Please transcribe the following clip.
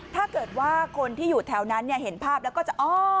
ถ้าเกิดว่าคนที่อยู่แถวนั้นเห็นภาพแล้วก็จะอ๋อ